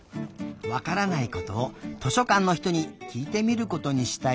わからないことを図書かんのひとにきいてみることにしたよ。